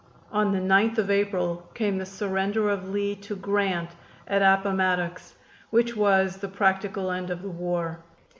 On the 9th of April came the surrender of Lee to Grant at Appomattox, which was the practical end of the war.